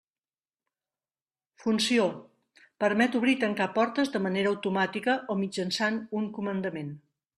Funció: permet obrir i tancar portes de manera automàtica o mitjançant un comandament.